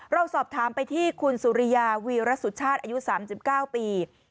เราสอบถามไปที่คุณสุริยาวีรสุชาติอายุ๓๙ปี